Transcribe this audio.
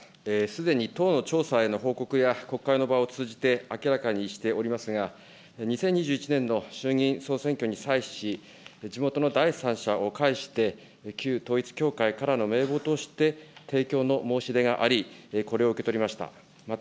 すでに党の調査結果報告や国会の場を通じて明らかにしておりますが、２０２１年の衆議院総選挙に際し、地元の第三者を介して、旧統一教会からの名簿として、提供の申し出があり、これを受け取りました。